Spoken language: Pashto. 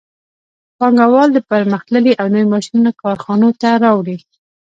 پانګوال پرمختللي او نوي ماشینونه کارخانو ته راوړي